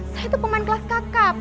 saya itu pemain kelas kakap